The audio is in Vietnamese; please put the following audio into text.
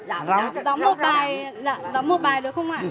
gióng một bài gióng một bài được không ạ